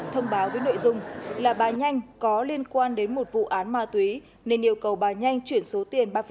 thông báo với nội dung là bà nhanh có liên quan đến một vụ án ma túy nên yêu cầu bà nhanh chuyển số tiền ba